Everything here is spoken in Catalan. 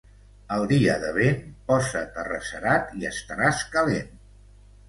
El dia de vent, posa't arrecerat i estaràs calent.